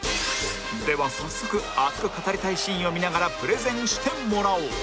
では早速熱く語りたいシーンを見ながらプレゼンしてもらおう